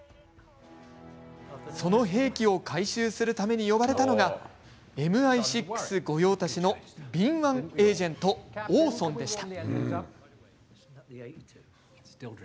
その兵器を回収するために呼ばれたのがＭＩ６御用達の敏腕エージェントオーソンでした。